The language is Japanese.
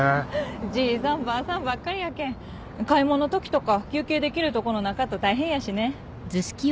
じいさんばあさんばっかりやけん買い物のときとか休憩できるとこのなかと大変やしね。